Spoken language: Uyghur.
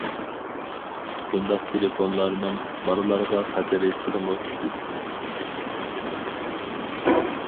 بۇنداق تېلېفونلارنىڭ، بالىلارغا خەتىرى تېخىمۇ كۈچلۈك.